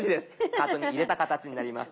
カートに入れた形になります。